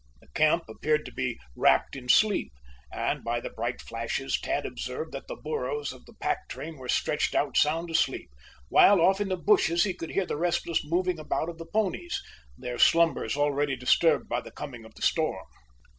The camp appeared to be wrapped in sleep, and, by the bright flashes, Tad observed that the burros of the pack train were stretched out sound asleep, while, off in the bushes, he could hear the restless moving about of the ponies, their slumbers already disturbed by the coming of the storm.